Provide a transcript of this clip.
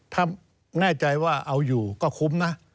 ถ้าแน่ใจว่าเอาอยู่ก็คุ้มนะ